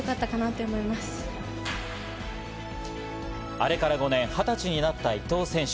あれから５年、２０歳になった伊藤選手。